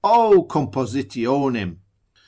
O compositionem!